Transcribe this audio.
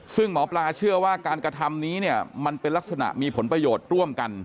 ซึ่งหมอปลาเชื่อว่าการกระทำนี้เนี่ยมันเป็นลักษณะมีผลประโยชน์ร่วมกัน